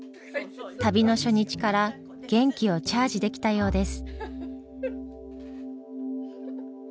旅の初日から元気をチャージできたようです。